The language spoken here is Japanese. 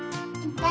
はい。